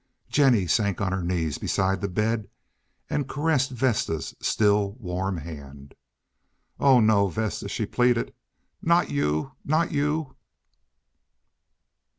Jennie sank on her knees beside the bed and caressed Vesta's still warm hand. "Oh no, Vesta," she pleaded. "Not you! Not you!"